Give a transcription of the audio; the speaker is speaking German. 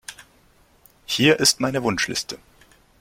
Hier ist meine Wunschliste.